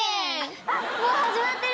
あっもう始まってる！